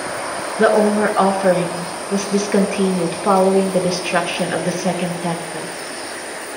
The omer offering was discontinued following the destruction of the Second Temple.